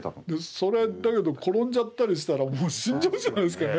それだけど転んじゃったりしたら死んじゃうんじゃないですかね。